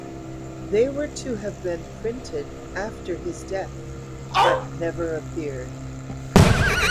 They were to have been printed after his death, but never appeared.